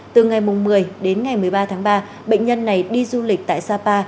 từ ngày một mươi đến ngày một mươi ba tháng ba bệnh nhân này đi du lịch tại sapa